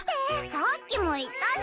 さっきも言ったぞ！